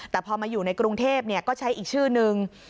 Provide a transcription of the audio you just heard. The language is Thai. แต่พอมาอยู่ในกรุงเทพก็ใช้อีกชื่อนึง